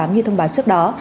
như thông báo trước đó